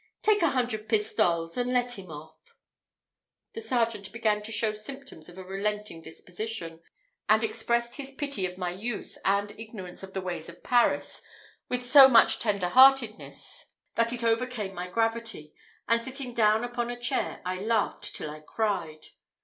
Take a hundred pistoles and let him off." The sergeant began to show symptoms of a relenting disposition, and expressed his pity of my youth and ignorance of the ways of Paris with so much tender heartedness, that it overcame my gravity, and sitting down upon a chair I laughed till I cried.